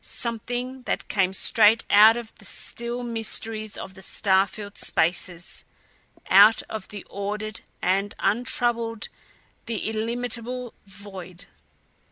Something that came straight out of the still mysteries of the star filled spaces; out of the ordered, the untroubled, the illimitable void.